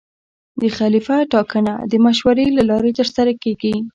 د خلیفه ټاکنه د مشورې له لارې ترسره کېږي.